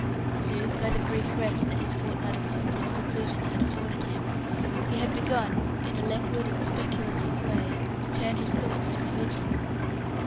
Soothed by the brief rest that his fortnight of hospital seclusion had afforded him, he had begun, in a languid and speculative way, to turn his thoughts to religion.